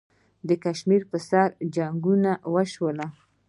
د کشمیر پر سر جنګونه وشول.